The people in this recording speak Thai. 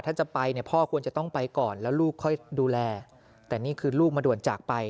ถ้าจะไปเนี่ยพ่อควรจะต้องไปก่อนแล้วลูกค่อยดูแลแต่นี่คือลูกมาด่วนจากไป